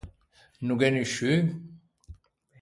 No gh’é nisciun?